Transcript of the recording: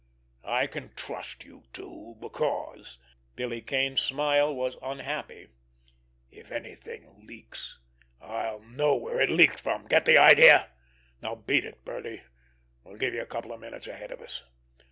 I can trust you two, because"—Billy Kane's smile was unhappy—"if anything leaks, I'll know where it leaked from! Get the idea? Now, beat it, Birdie! We'll give you a couple of minutes ahead of us."